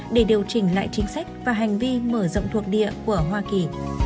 để điều chỉnh lại chính sách và hành vi mở rộng thuộc địa của hoa kỳ